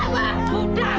kamu tidak kamu jahat